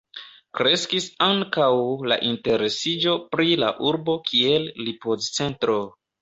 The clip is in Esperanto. Kreskis ankaŭ la interesiĝo pri la urbo kiel ripoz-centro.